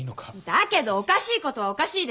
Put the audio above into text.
だけどおかしいことはおかしいです。